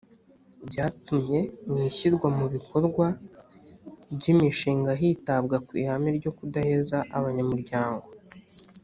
byatumye mu ishyirwa mu bikorwa ry’imishinga hitabwa ku ihame ryo kudaheza abanyamuryango.